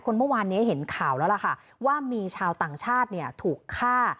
เมื่อวานนี้เห็นข่าวแล้วล่ะค่ะว่ามีชาวต่างชาติเนี่ยถูกฆ่า